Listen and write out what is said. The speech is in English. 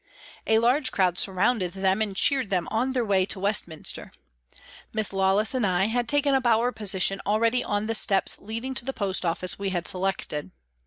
A large crowd surrounded them and cheered them on their way to Westminster. Miss Lawless and I had taken up our position already on the steps leading to the post office we had selected.